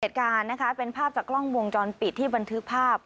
เหตุการณ์นะคะเป็นภาพจากกล้องวงจรปิดที่บันทึกภาพ